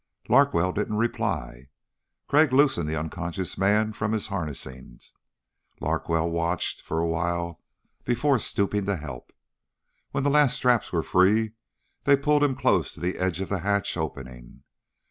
Larkwell didn't reply. Crag loosened the unconscious man from his harnessing. Larkwell watched for a while before stooping to help. When the last straps were free they pulled him close to the edge of the hatch opening.